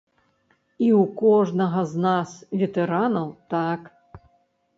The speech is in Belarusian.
І ў кожнага з нас, ветэранаў, так.